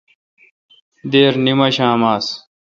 دیر نیمشام آس۔